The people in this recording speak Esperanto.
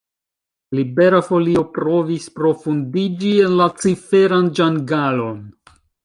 Libera Folio provis profundiĝi en la ciferan ĝangalon.